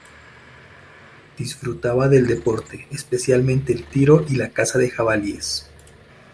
Disfrutaba del deporte, especialmente el tiro y la caza de jabalíes.